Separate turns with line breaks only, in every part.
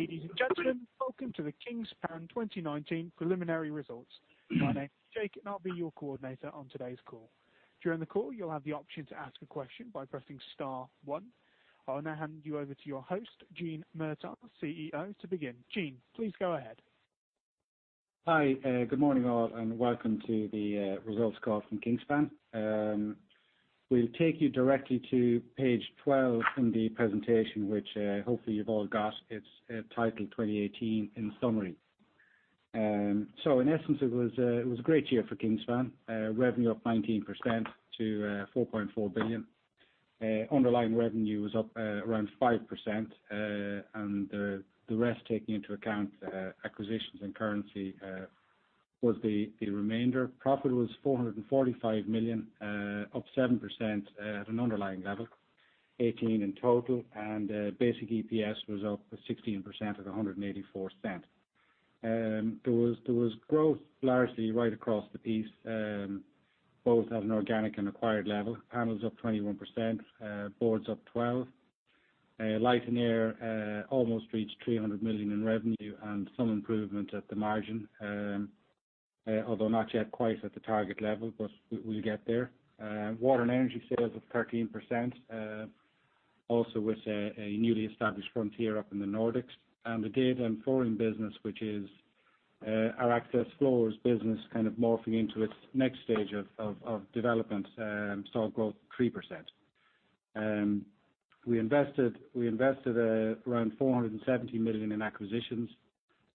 Ladies and gentlemen, welcome to the Kingspan 2019 preliminary results. My name is Jake, and I'll be your coordinator on today's call. During the call, you'll have the option to ask a question by pressing star one. I'll now hand you over to your host, Gene Murtagh, CEO, to begin. Gene, please go ahead.
Hi. Good morning, all, and welcome to the results call from Kingspan. We'll take you directly to page 12 in the presentation, which hopefully you've all got. It's titled 2018 In Summary. In essence, it was a great year for Kingspan. Revenue up 19% to 4.4 billion. Underlying revenue was up around 5%, the rest, taking into account acquisitions and currency, was the remainder. Profit was 445 million, up 7% at an underlying level, 18% in total. Basic EPS was up 16% at 1.84. There was growth largely right across the piece, both at an organic and acquired level. Panels up 21%, boards up 12%. Light and air almost reached 300 million in revenue, some improvement at the margin, although not yet quite at the target level, we'll get there. Water & Energy sales up 13%, also with a newly established frontier up in the Nordics. The Data & Flooring business, which is our access floors business kind of morphing into its next stage of development, saw growth 3%. We invested around 470 million in acquisitions,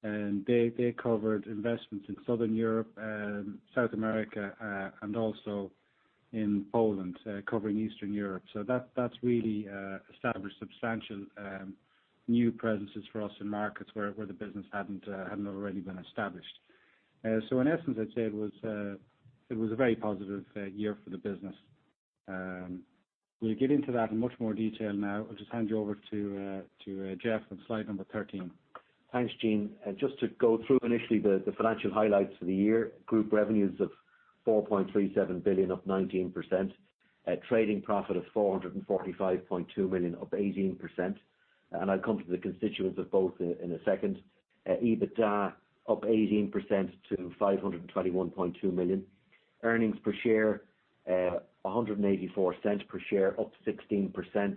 they covered investments in Southern Europe and South America and also in Poland, covering Eastern Europe. That's really established substantial new presences for us in markets where the business hadn't already been established. In essence, I'd say it was a very positive year for the business. We'll get into that in much more detail now. I'll just hand you over to Geoff on slide number 13.
Thanks, Gene. Just to go through initially the financial highlights of the year. Group revenues of 4.37 billion, up 19%. Trading profit of 445.2 million, up 18%. I'll come to the constituents of both in a second. EBITDA up 18% to 521.2 million. Earnings per share 1.84 per share, up 16%.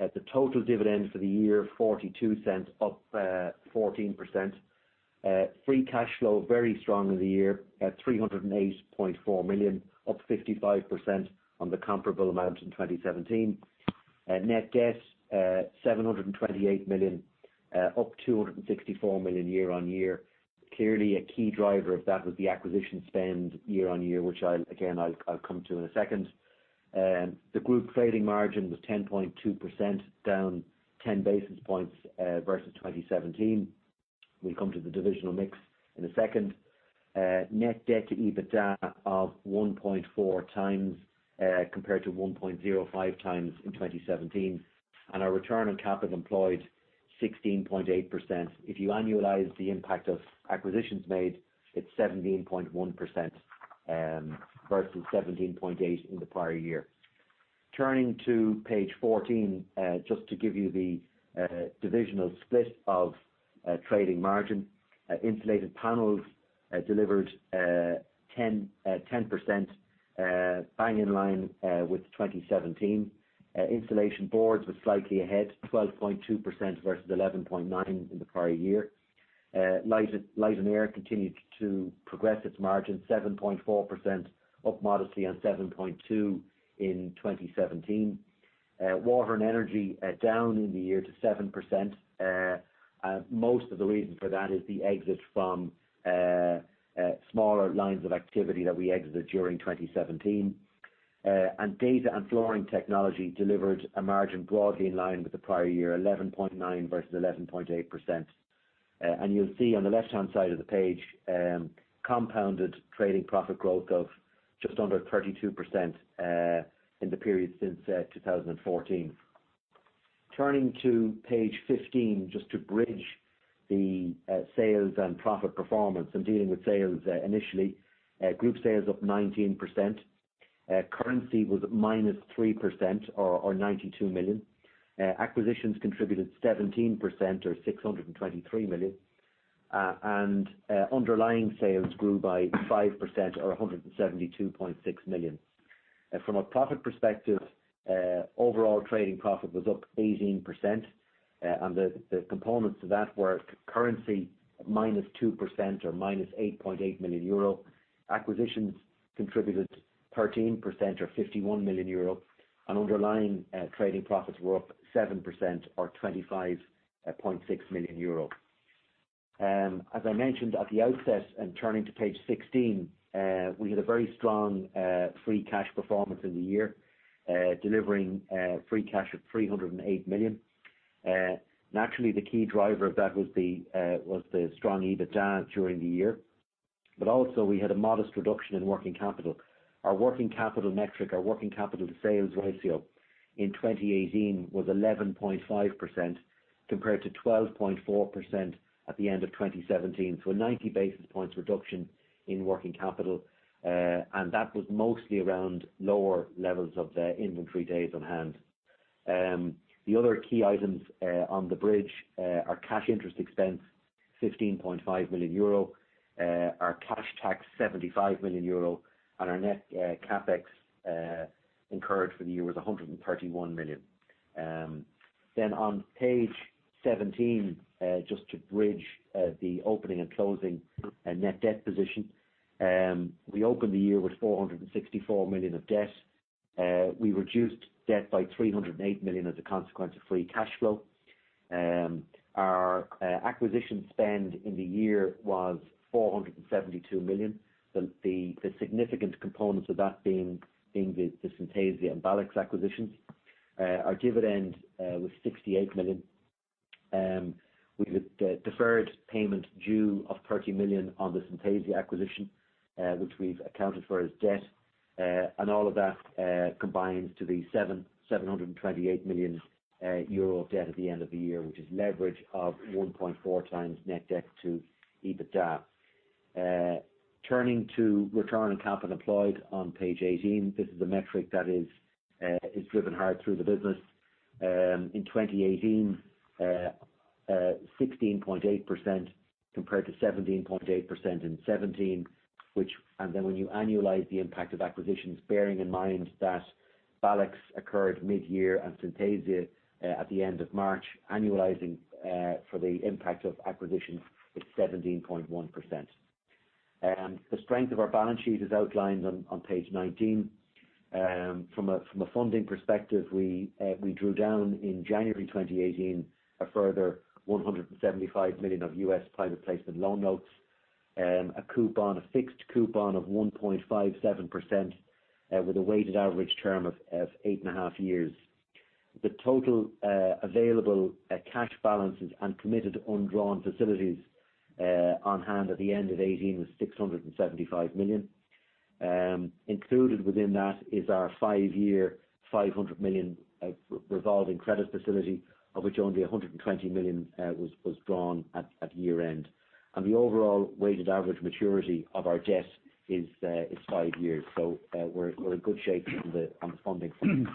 The total dividend for the year, 0.42, up 14%. Free cash flow, very strong of the year at 308.4 million, up 55% on the comparable amount in 2017. Net debt, 728 million, up 264 million year-on-year. Clearly a key driver of that was the acquisition spend year-on-year, which again, I'll come to in a second. The group trading margin was 10.2%, down 10 basis points versus 2017. We'll come to the divisional mix in a second. Net debt to EBITDA of 1.4 times, compared to 1.05 times in 2017. Our return on capital employed, 16.8%. If you annualize the impact of acquisitions made, it's 17.1% versus 17.8% in the prior year. Turning to page 14, just to give you the divisional split of trading margin. Insulated Panels delivered 10%, bang in line with 2017. Insulation Boards was slightly ahead, 12.2% versus 11.9% in the prior year. Light & Air continued to progress its margin, 7.4%, up modestly on 7.2% in 2017. Water & Energy, down in the year to 7%. Most of the reason for that is the exit from smaller lines of activity that we exited during 2017. Data & Flooring Technology delivered a margin broadly in line with the prior year, 11.9% versus 11.8%. You'll see on the left-hand side of the page, compounded trading profit growth of just under 32% in the period since 2014. Turning to page 15, just to bridge the sales and profit performance. I'm dealing with sales initially. Group sales up 19%. Currency was -3%, or 92 million. Acquisitions contributed 17%, or 623 million. Underlying sales grew by 5%, or 172.6 million. From a profit perspective, overall trading profit was up 18%, the components of that were currency -2%, or -8.8 million euro. Acquisitions contributed 13%, or 51 million euro. Underlying trading profits were up 7%, or 25.6 million euro. As I mentioned at the outset, turning to page 16, we had a very strong free cash performance in the year, delivering free cash of 308 million. Naturally, the key driver of that was the strong EBITDA during the year. Also we had a modest reduction in working capital. Our working capital metric, our working capital to sales ratio in 2018 was 11.5%, compared to 12.4% at the end of 2017. A 90 basis points reduction in working capital, and that was mostly around lower levels of the inventory days on hand. The other key items on the bridge are cash interest expense, 15.5 million euro. Our cash tax, 75 million euro, and our net CapEx incurred for the year was 131 million. On page 17, just to bridge the opening and closing net debt position. We opened the year with 464 million of debt. We reduced debt by 308 million as a consequence of free cash flow. Our acquisition spend in the year was 472 million. The significant components of that being the Synthesia and Balex acquisitions. Our dividend was 68 million. We have a deferred payment due of 30 million on the Synthesia acquisition, which we've accounted for as debt. All of that combines to the 728 million euro debt at the end of the year, which is leverage of 1.4x net debt to EBITDA. Turning to return on capital employed on page 18. This is a metric that is driven hard through the business. In 2018, 16.8% compared to 17.8% in 2017. When you annualize the impact of acquisitions, bearing in mind that Balex occurred mid-year and Synthesia at the end of March, annualizing for the impact of acquisitions is 17.1%. The strength of our balance sheet is outlined on page 19. From a funding perspective, we drew down in January 2018, a further 175 million of U.S. private placement loan notes. A fixed coupon of 1.57% with a weighted average term of eight and a half years. The total available cash balances and committed undrawn facilities on hand at the end of 2018 was 675 million. Included within that is our five year, 500 million revolving credit facility, of which only 120 million was drawn at year-end. The overall weighted average maturity of our debt is five years. We're in good shape on the funding front.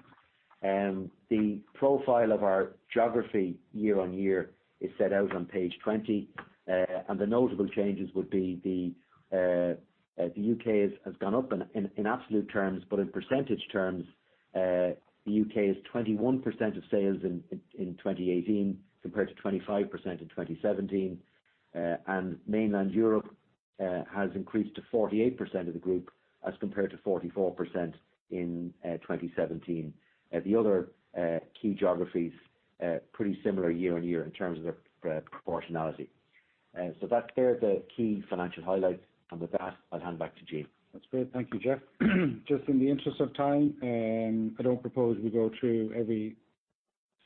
The profile of our geography year-on-year is set out on page 20. The notable changes would be the U.K. has gone up in absolute terms, but in percentage terms, the U.K. is 21% of sales in 2018 compared to 25% in 2017. Mainland Europe has increased to 48% of the group as compared to 44% in 2017. The other key geographies, pretty similar year-on-year in terms of their proportionality. That's there, the key financial highlights. With that, I'll hand back to Gene.
That's great. Thank you, Geoff. Just in the interest of time, I don't propose we go through every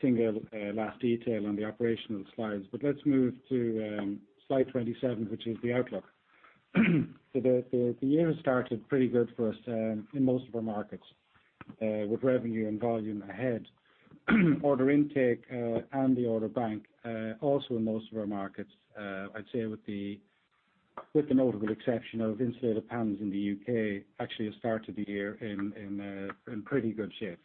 single last detail on the operational slides. Let's move to slide 27, which is the outlook. The year has started pretty good for us in most of our markets, with revenue and volume ahead. Order intake and the order bank, also in most of our markets, I'd say with the notable exception of insulated panels in the U.K., actually has started the year in pretty good shape.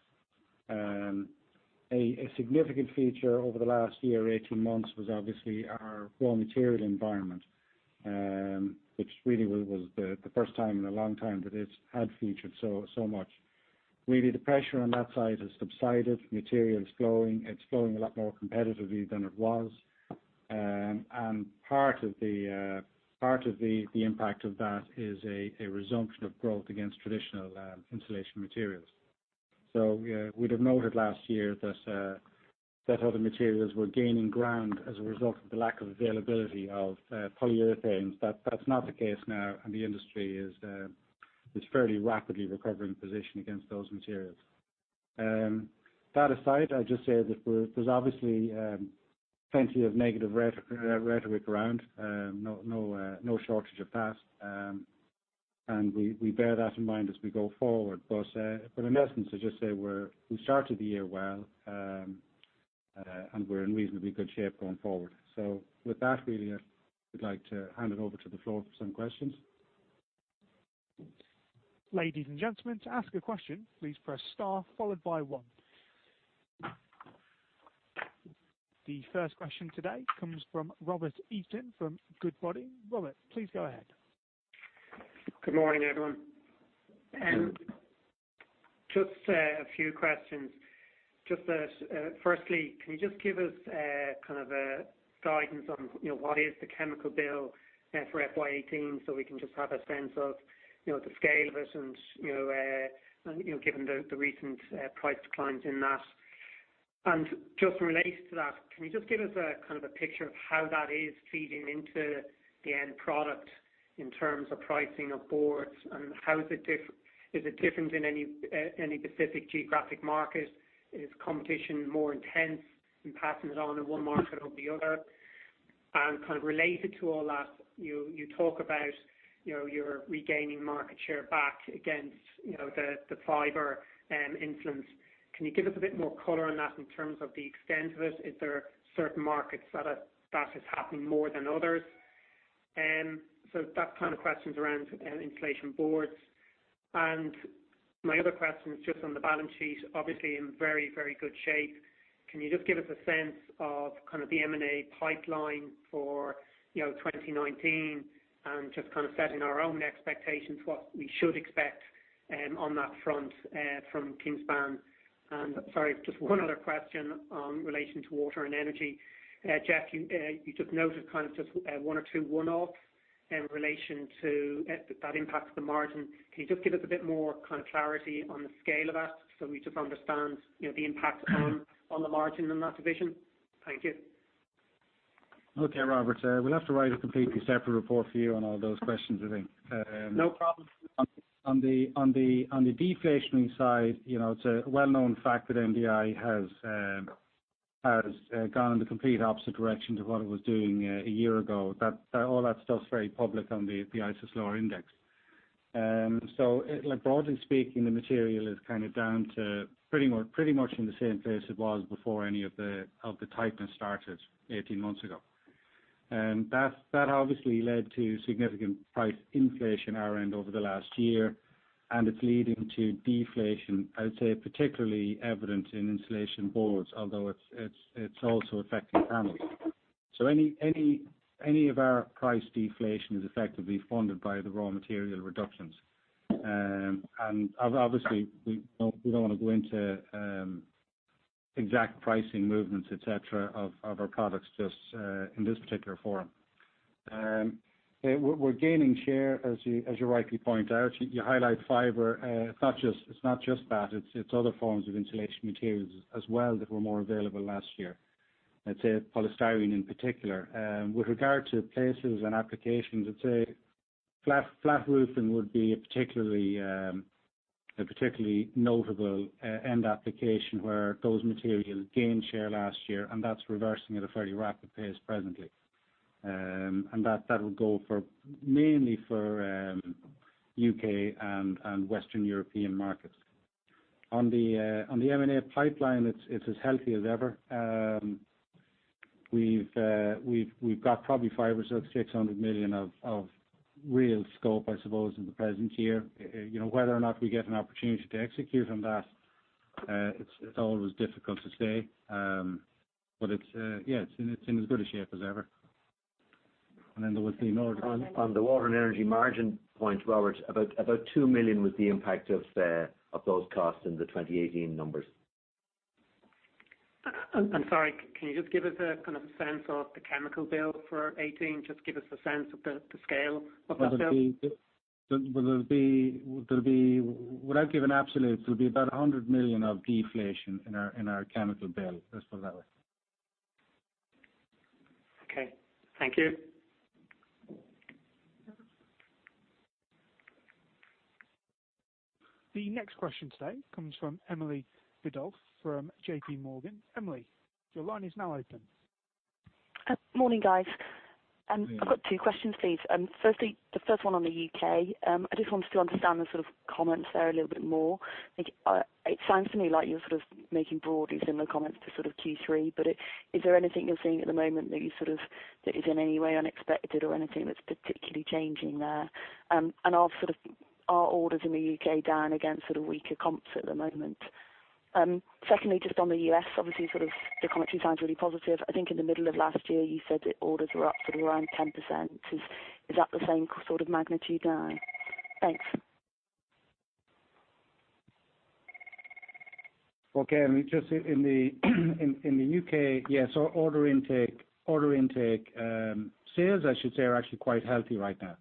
A significant feature over the last year or 18 months was obviously our raw material environment, which really was the first time in a long time that it had featured so much. Really, the pressure on that side has subsided. Material is flowing. It's flowing a lot more competitively than it was. Part of the impact of that is a resumption of growth against traditional insulation materials. We'd have noted last year that other materials were gaining ground as a result of the lack of availability of polyurethanes. That's not the case now, and the industry is fairly rapidly recovering position against those materials. That aside, I'd just say that there's obviously plenty of negative rhetoric around. No shortage of that. We bear that in mind as we go forward. In essence, to just say we started the year well, and we're in reasonably good shape going forward. With that, really, I would like to hand it over to the floor for some questions.
Ladies and gentlemen, to ask a question, please press star followed by one. The first question today comes from Robert Eason from Goodbody. Robert, please go ahead.
Good morning, everyone. Just a few questions. Just firstly, can you just give us kind of a guidance on what is the chemical bill for FY 2018 so we can just have a sense of the scale of it and given the recent price declines in that. Just related to that, can you just give us a kind of a picture of how that is feeding into the end product in terms of pricing of boards and is it different in any specific geographic market? Is competition more intense in passing it on in one market over the other? Kind of related to all that, you talk about you're regaining market share back against the fiber [influence]. Can you give us a bit more color on that in terms of the extent of it? Is there certain markets that that is happening more than others? So that kind of questions around insulation boards. My other question is just on the balance sheet, obviously in very, very good shape. Can you just give us a sense of the M&A pipeline for 2019 and just kind of setting our own expectations, what we should expect, on that front from Kingspan? Sorry, just one other question in relation to Water & Energy. Geoff, you just noted kind of just one or two one-offs in relation to that impact of the margin. Can you just give us a bit more kind of clarity on the scale of that so we just understand the impact on the margin in that division? Thank you.
Okay, Robert, we'll have to write a completely separate report for you on all those questions, I think.
No problem.
On the deflationary side, it's a well-known fact that MDI has gone in the complete opposite direction to what it was doing a year ago. All that stuff's very public on the ICIS price index. Broadly speaking, the material is kind of down to pretty much in the same place it was before any of the tightness started 18 months ago. That obviously led to significant price inflation our end over the last year, and it's leading to deflation, I would say, particularly evident in insulation boards, although it's also affecting panels. Any of our price deflation is effectively funded by the raw material reductions. Obviously we don't want to go into exact pricing movements, et cetera, of our products just in this particular forum. We're gaining share, as you rightly point out. You highlight fiber. It's not just that, it's other forms of insulation materials as well that were more available last year. I'd say polystyrene in particular. With regard to places and applications, I'd say flat roofing would be a particularly notable end application where those materials gained share last year, and that's reversing at a fairly rapid pace presently. That will go mainly for U.K. and Western European markets. On the M&A pipeline, it's as healthy as ever. We've got probably 500 million-600 million of real scope, I suppose, in the present year. Whether or not we get an opportunity to execute on that, it's always difficult to say. It's in as good a shape as ever. Then there was the.
On the Water & Energy margin point, Robert, about 2 million was the impact of those costs in the 2018 numbers.
I'm sorry. Can you just give us a kind of a sense of the chemical bill for 2018? Just give us a sense of the scale of that bill.
Without giving absolutes, it will be about 100 million of deflation in our chemical bill as well, Robert.
Okay. Thank you.
The next question today comes from Emily Biddulph from JPMorgan. Emily, your line is now open.
Morning, guys. I've got two questions, please. The first one on the U.K. I just wanted to understand the sort of comments there a little bit more. It sounds to me like you're sort of making broadly similar comments to sort of Q3. Is there anything you're seeing at the moment that is in any way unexpected or anything that's particularly changing there? Are sort of orders in the U.K. down against sort of weaker comps at the moment? Secondly, just on the U.S., obviously sort of the commentary sounds really positive. I think in the middle of last year, you said that orders were up sort of around 10%. Is that the same sort of magnitude now? Thanks.
Okay. In the U.K., yes, our order intake sales, I should say, are actually quite healthy right now.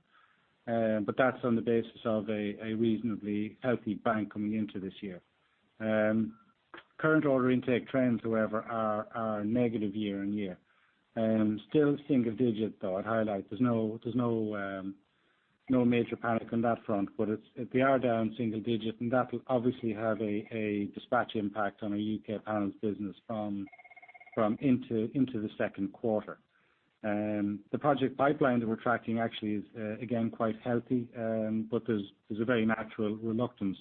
That's on the basis of a reasonably healthy bank coming into this year. Current order intake trends, however, are negative year-on-year. Still single digit, though, I'd highlight. There's no major panic on that front, but they are down single digit, and that will obviously have a dispatch impact on our U.K. panels business from into the second quarter. The project pipeline that we're tracking actually is again, quite healthy. There's a very natural reluctance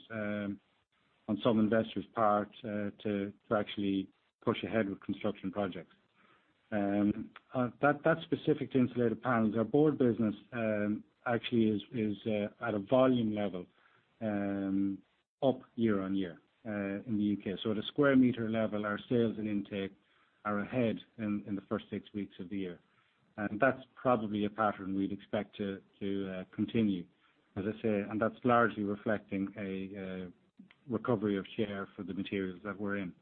on some investors' part to actually push ahead with construction projects. That's specific to insulated panels. Our board business actually is at a volume level up year-on-year in the U.K. At a square meter level, our sales and intake are ahead in the first six weeks of the year. That's probably a pattern we'd expect to continue, as I say. That's largely reflecting a recovery of share for the materials that we're in.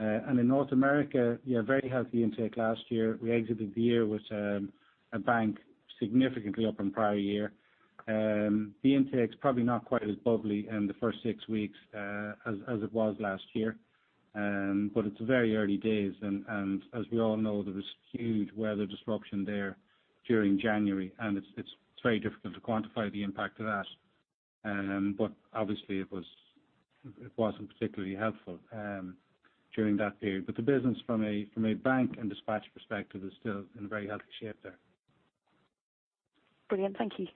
In North America, very healthy intake last year. We exited the year with a bank significantly up on prior year. The intake's probably not quite as bubbly in the first six weeks as it was last year. It's very early days and as we all know, there was huge weather disruption there during January, and it's very difficult to quantify the impact of that. Obviously it wasn't particularly helpful during that period. The business from a bank and dispatch perspective is still in very healthy shape there.
Brilliant. Thank you.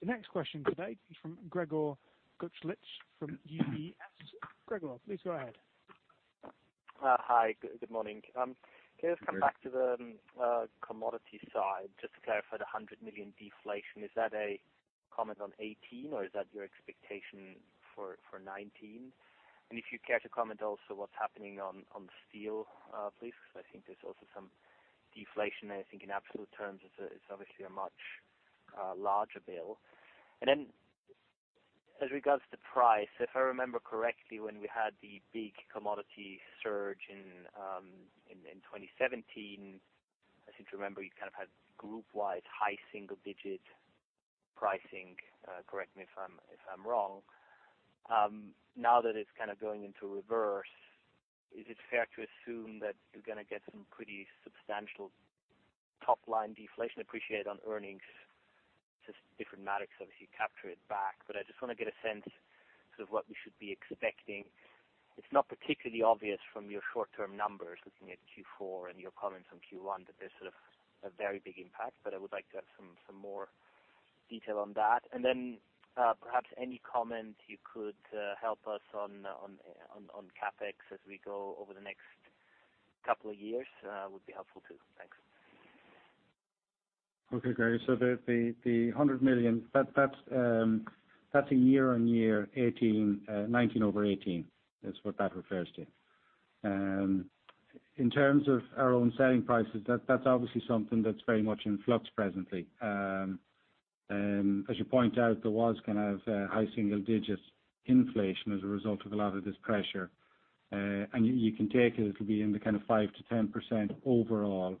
The next question today is from Gregor Kuglitsch from UBS. Gregor, please go ahead.
Hi. Good morning.
Gregor.
Can I just come back to the commodity side just to clarify the 100 million deflation. Is that a comment on 2018 or is that your expectation for 2019? If you care to comment also what's happening on steel, please, because I think there's also some deflation there. I think in absolute terms, it's obviously a much larger bill. As regards to price, if I remember correctly, when we had the big commodity surge in 2017, I seem to remember you kind of had group-wide high single-digit pricing. Correct me if I'm wrong. Now that it's kind of going into reverse, is it fair to assume that you're going to get some pretty substantial top-line deflation appreciated on earnings, just different metrics, obviously, capture it back. I just want to get a sense sort of what we should be expecting. It's not particularly obvious from your short-term numbers, looking at Q4 and your comments on Q1, that there's sort of a very big impact, but I would like to have some more detail on that. Perhaps any comment you could help us on CapEx as we go over the next couple of years would be helpful too? Thanks.
Okay, Gregor. The EUR 100 million, that is a year-over-year 2019 over 2018. That is what that refers to. In terms of our own selling prices, that is obviously something that is very much in flux presently. As you point out, there was kind of high single-digits inflation as a result of a lot of this pressure. You can take it will be in the kind of 5%-10% overall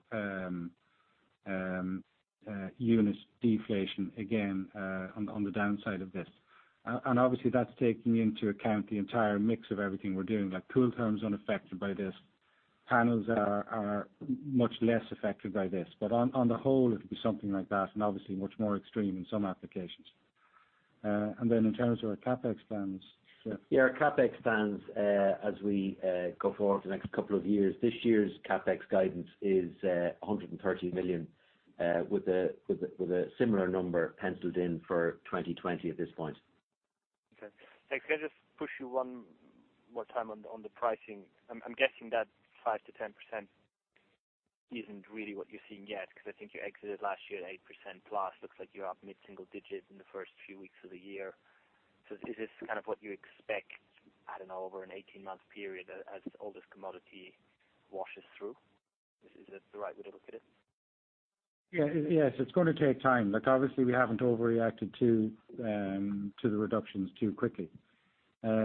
units deflation again on the downside of this. Obviously, that is taking into account the entire mix of everything we are doing. Like Kooltherm unaffected by this. Panels are much less affected by this. On the whole, it will be something like that and obviously much more extreme in some applications. In terms of our CapEx plans.
Our CapEx plans as we go forward for the next couple of years. This year's CapEx guidance is 130 million with a similar number penciled in for 2020 at this point.
Okay. Can I just push you one more time on the pricing? I am guessing that 5%-10% is not really what you are seeing yet because I think you exited last year at 8%+. Looks like you are up mid-single-digits in the first few weeks of the year. Is this kind of what you expect at over an 18-month period as all this commodity washes through? Is this the right way to look at it?
Yes. It is going to take time. Obviously, we have not overreacted to the reductions too quickly. For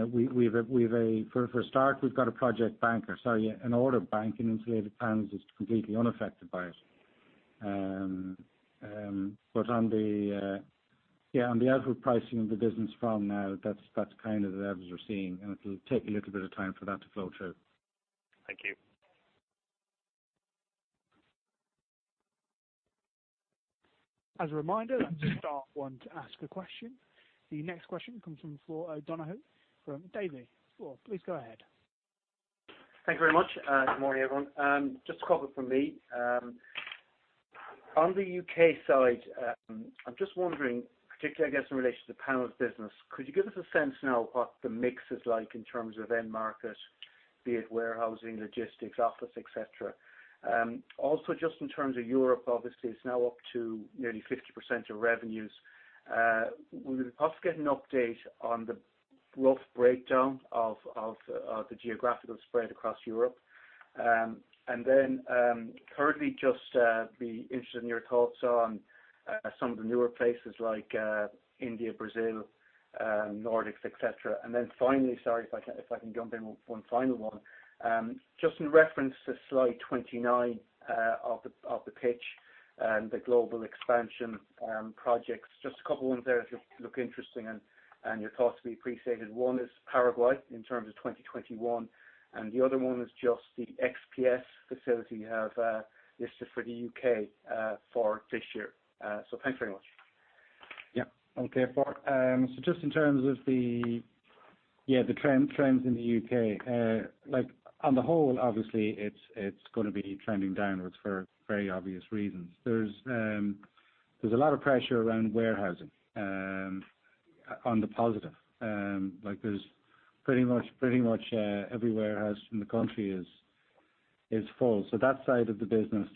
a start, we have got a project bank. Sorry, an order bank in insulated panels is completely unaffected by it. On the outward pricing of the business from now, that is kind of the levels we are seeing, and it will take a little bit of time for that to flow through.
Thank you.
As a reminder, star one to ask a question. The next question comes from Flor O'Donoghue from Davy. Flor, please go ahead.
Thank you very much. Good morning, everyone. Just a couple from me. On the U.K. side, I'm just wondering, particularly, I guess, in relation to panel business, could you give us a sense now what the mix is like in terms of end market, be it warehousing, logistics, office, et cetera? Also, just in terms of Europe, obviously it's now up to nearly 50% of revenues. Would we possibly get an update on the rough breakdown of the geographical spread across Europe? Currently, just be interested in your thoughts on some of the newer places like India, Brazil, Nordics, et cetera. Finally, sorry if I can jump in one final one. Just in reference to slide 29 of the pitch and the global expansion projects. Just a couple ones there that look interesting and your thoughts will be appreciated. One is Paraguay in terms of 2021, the other one is just the XPS facility you have listed for the U.K. for this year? Thanks very much.
Okay, Flor. Just in terms of the trends in the U.K. On the whole, obviously it's going to be trending downwards for very obvious reasons. There's a lot of pressure around warehousing on the positive. There's pretty much every warehouse in the country is full. That side of the business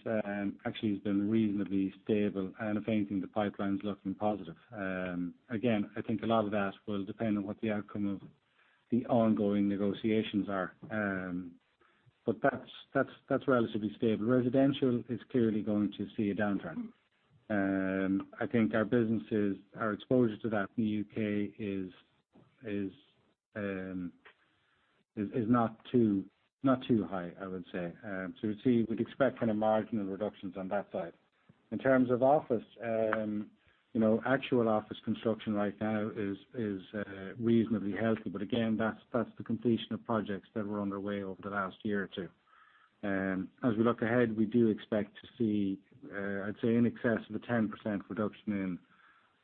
actually has been reasonably stable and if anything, the pipeline's looking positive. Again, I think a lot of that will depend on what the outcome of the ongoing negotiations are. That's relatively stable. Residential is clearly going to see a downtrend. I think our exposure to that in the U.K. is not too high, I would say. We'd expect kind of marginal reductions on that side. In terms of office, actual office construction right now is reasonably healthy. Again, that's the completion of projects that were underway over the last year or two. As we look ahead, we do expect to see, I'd say in excess of a 10% reduction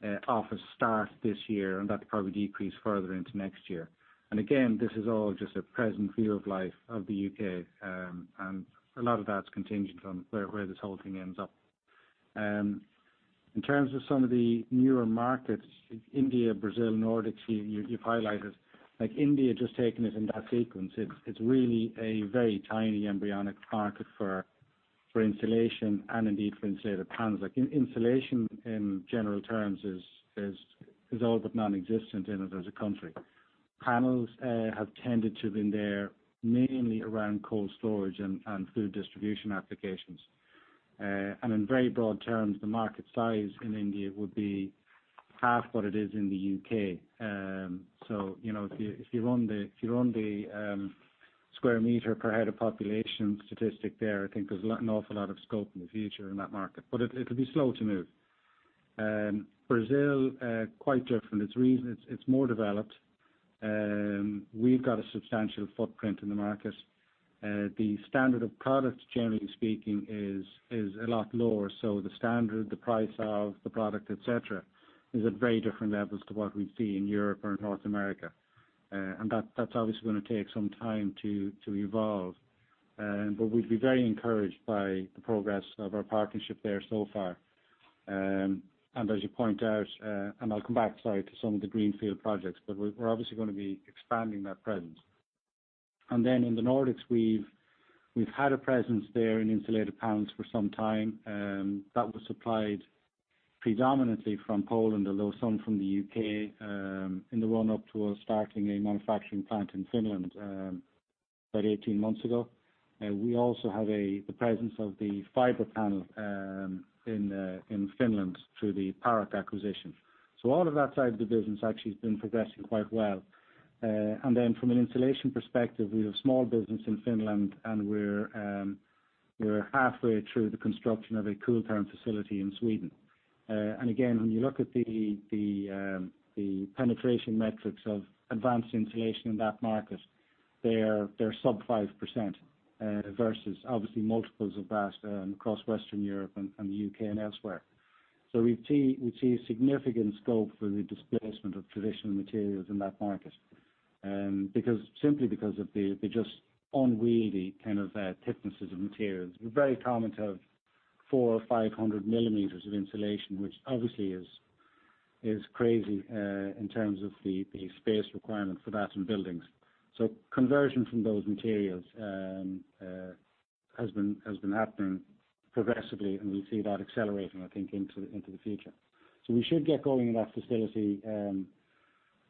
in office start this year, that'll probably decrease further into next year. Again, this is all just a present view of life of the U.K., and a lot of that's contingent on where this whole thing ends up. In terms of some of the newer markets, India, Brazil, Nordics, you've highlighted. India, just taking it in that sequence, it's really a very tiny embryonic market for insulation and indeed for insulated panels. Insulation in general terms is all but nonexistent in it as a country. Panels have tended to have been there mainly around cold storage and food distribution applications. In very broad terms, the market size in India would be half what it is in the U.K. If you run the square meter per head of population statistic there, I think there's an awful lot of scope in the future in that market, it'll be slow to move. Brazil, quite different. It's more developed. We've got a substantial footprint in the market. The standard of product, generally speaking, is a lot lower. The standard, the price of the product, et cetera, is at very different levels to what we see in Europe or in North America. That's obviously going to take some time to evolve. We'd be very encouraged by the progress of our partnership there so far. As you point out, and I'll come back, sorry, to some of the greenfield projects, we're obviously going to be expanding that presence. Then in the Nordics, we've had a presence there in insulated panels for some time. That was supplied predominantly from Poland, although some from the U.K., in the run up towards starting a manufacturing plant in Finland about 18 months ago. We also have the presence of the fiber panel in Finland through the Paroc acquisition. All of that side of the business actually has been progressing quite well. Then from an insulation perspective, we have small business in Finland, and we're halfway through the construction of a Kooltherm facility in Sweden. Again, when you look at the penetration metrics of advanced insulation in that market, they are sub 5% versus obviously multiples of that across Western Europe and the U.K. and elsewhere. We see a significant scope for the displacement of traditional materials in that market, simply because of the just unwieldy kind of thicknesses of materials. It's very common to have four or 500 millimeters of insulation, which obviously is crazy in terms of the space requirement for that in buildings. Conversion from those materials has been happening progressively, and we see that accelerating, I think, into the future. We should get going in that facility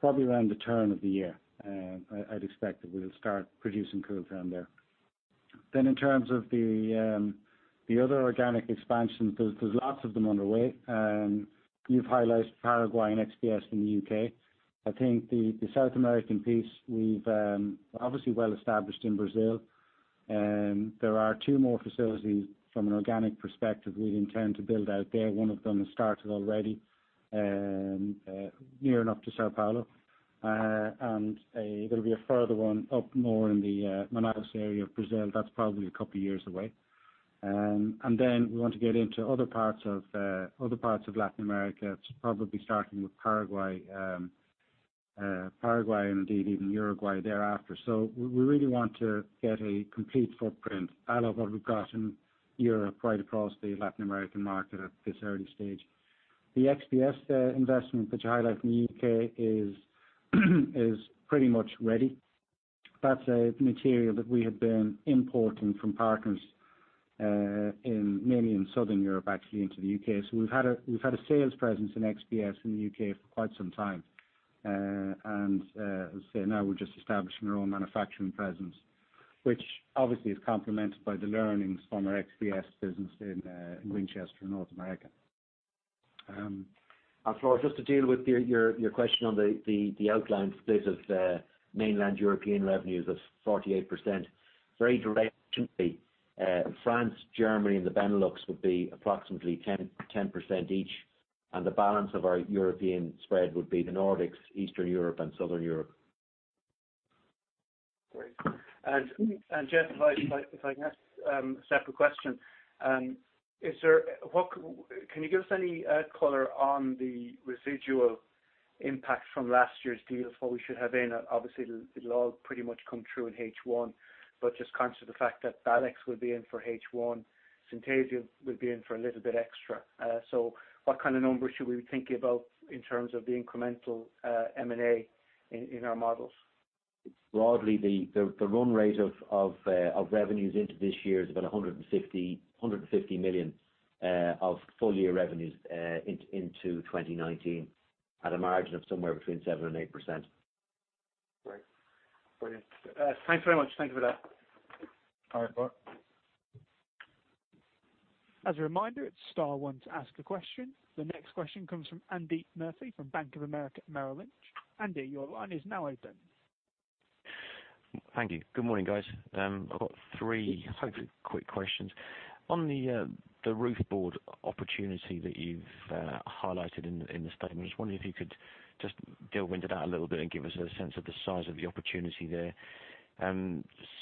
probably around the turn of the year. I'd expect that we'll start producing Kooltherm there. In terms of the other organic expansions, there's lots of them underway. You've highlighted Paraguay and XPS in the U.K. I think the South American piece, we've obviously well established in Brazil. There are two more facilities from an organic perspective we intend to build out there. One of them has started already, near enough to São Paulo. There will be a further one up more in the Manaus area of Brazil. That's probably a couple of years away. We want to get into other parts of Latin America. It's probably starting with Paraguay and indeed even Uruguay thereafter. We really want to get a complete footprint, out of what we've got in Europe, right across the Latin American market at this early stage. The XPS investment that you highlight from the U.K. is pretty much ready. That's a material that we have been importing from partners mainly in Southern Europe, actually, into the U.K. We've had a sales presence in XPS in the U.K. for quite some time. As I say, now we're just establishing our own manufacturing presence, which obviously is complemented by the learnings from our XPS business in Winchester, North America.
Flor, just to deal with your question on the outline split of mainland European revenues of 48%, very directly, France, Germany, and the Benelux would be approximately 10% each. The balance of our European spread would be the Nordics, Eastern Europe, and Southern Europe.
Great. Geoff, if I can ask a separate question. Can you give us any color on the residual impact from last year's deals, what we should have in? Obviously, it'll all pretty much come through in H1, but just conscious of the fact that Balex will be in for H1, Synthesia will be in for a little bit extra. What kind of numbers should we be thinking about in terms of the incremental M&A in our models?
Broadly, the run rate of revenues into this year is about 150 million of full-year revenues into 2019 at a margin of somewhere between 7%-8%.
Great. Brilliant. Thanks very much. Thank you for that.
All right. Bye.
As a reminder, it's star one to ask a question. The next question comes from Andy Murphy from Bank of America Merrill Lynch. Andy, your line is now open.
Thank you. Good morning, guys. I've got three hopefully quick questions. On the roof board opportunity that you've highlighted in the statement, I was just wondering if you could just delve into that a little bit and give us a sense of the size of the opportunity there.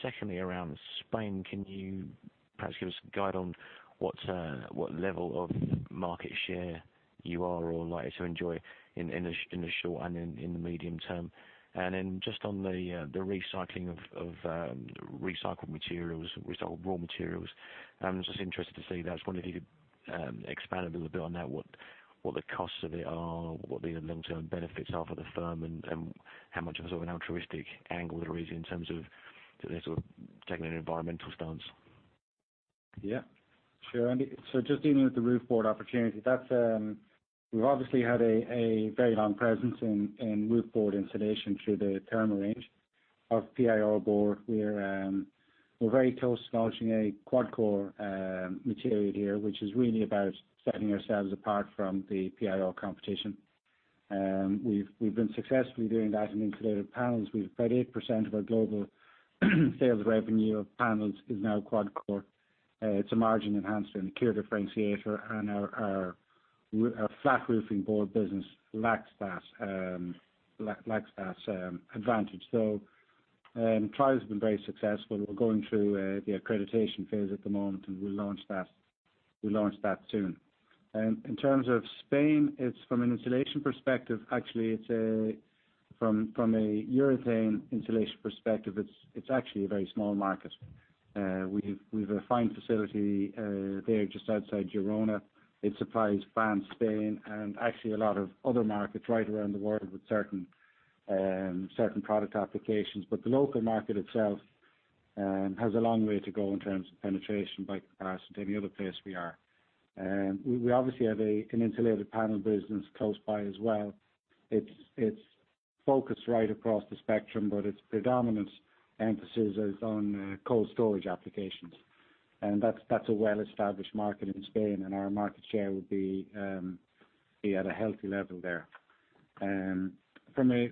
Secondly, around Spain, can you perhaps give us guide on what level of market share you are all likely to enjoy in the short and in the medium term. Just on the recycling of recycled materials, recycled raw materials. I'm just interested to see that. I was wondering if you could expand a little bit on that, what the costs of it are, what the long-term benefits are for the firm, and how much of a sort of altruistic angle there is in terms of sort of taking an environmental stance.
Yeah. Sure. Just dealing with the roof board opportunity, we've obviously had a very long presence in roof board insulation through the thermal range of PIR board. We're very close to launching a QuadCore material here, which is really about setting ourselves apart from the PIR competition. We've been successfully doing that in insulated panels. We've about 8% of our global sales revenue of panels is now QuadCore. It's a margin enhancer and a clear differentiator, and our flat roofing board business lacks that advantage. Trials have been very successful. We're going through the accreditation phase at the moment, and we'll launch that soon. In terms of Spain, from an insulation perspective, actually it's from a urethane insulation perspective, it's actually a very small market. We've a fine facility there just outside Girona. It supplies Spain and actually a lot of other markets right around the world with certain product applications. The local market itself has a long way to go in terms of penetration by capacity any other place we are. We obviously have an Insulated Panel business close by as well. It's focused right across the spectrum, but its predominant emphasis is on cold storage applications. That's a well-established market in Spain, and our market share would be at a healthy level there. From a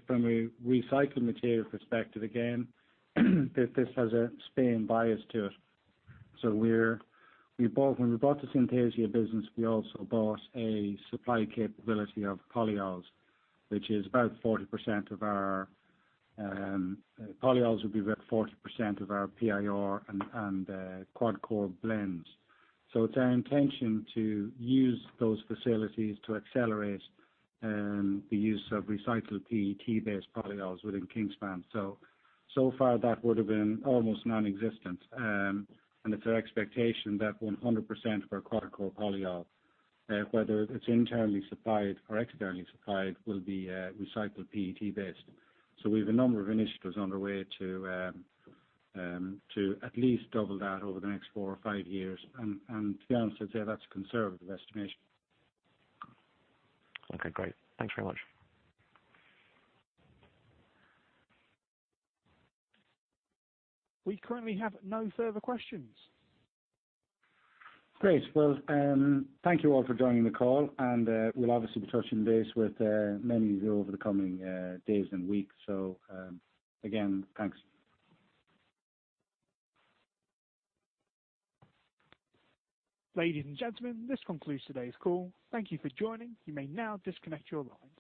recycled material perspective, again, this has a Spain bias to it. When we bought the Synthesia business, we also bought a supply capability of polyols, which is about 40% of our polyols would be about 40% of our PIR and QuadCore blends. It's our intention to use those facilities to accelerate the use of recycled PET-based polyols within Kingspan. So far that would've been almost non-existent. It's our expectation that 100% of our QuadCore polyol, whether it's internally supplied or externally supplied, will be recycled PET-based. We've a number of initiatives underway to at least double that over the next four or five years. To be honest, I'd say that's a conservative estimation.
Okay, great. Thanks very much.
We currently have no further questions.
Great. Well, thank you all for joining the call, We'll obviously be touching base with many of you over the coming days and weeks. Again, thanks.
Ladies and gentlemen, this concludes today's call. Thank you for joining. You may now disconnect your line.